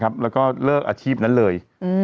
แล้วก็เลิกอาชีพนั้นเลย